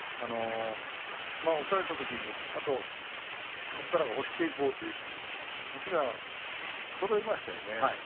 押されたときにそこから押していこうというときに足がそろいましたよね。